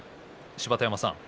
芝田山さん